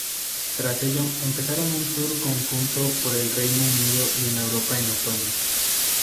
Tras ello, empezaron un tour conjunto por el Reino Unido y Europa en Otoño.